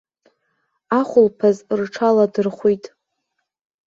Ахәылԥаз рҽаладырхәит.